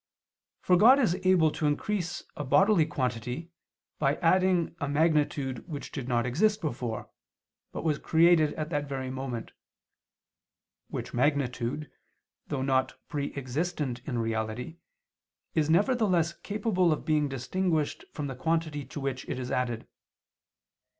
For God is able to increase a bodily quantity by adding a magnitude which did not exist before, but was created at that very moment; which magnitude, though not pre existent in reality, is nevertheless capable of being distinguished from the quantity to which it is added.